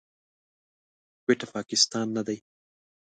کويټه، پاکستان نه دی.